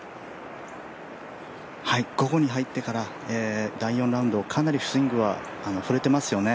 午後に入ってから第４ラウンドかなりスイングは振れてますよね。